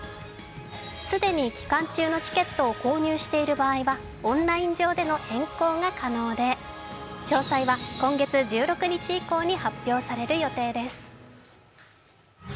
既に期間中のチケットを購入している場合はオンライン上での変更が可能で詳細は今月１６日以降に発表される予定です。